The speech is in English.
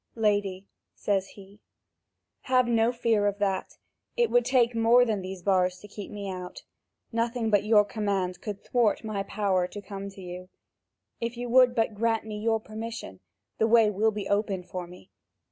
"Lady," says he, "have no fear of that. It would take more than these bars to keep me out. Nothing but your command could thwart my power to come to you. If you will but grant me your permission, the way will open before me.